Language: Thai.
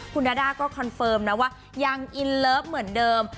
คุณดาด้าก็คอนเฟิร์มนะว่ายังอินเลิฟเหมือนเดิม